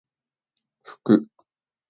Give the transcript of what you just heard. ふく